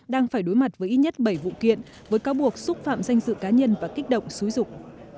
đang phải đối mặt với ít nhất bảy vụ kiện với cáo buộc xúc phạm danh dự cá nhân và kích động xúi dục